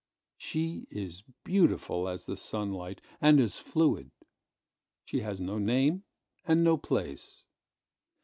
She is beautiful as the sunlight, and as fluid. She has no name, and no place.